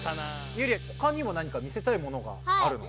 ユウリほかにも何か見せたいものがあるの？